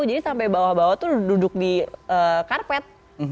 jadi sampai bawah bawah tuh duduk di karpet